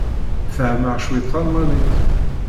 Fehhmeɣ cwiṭ talmanit.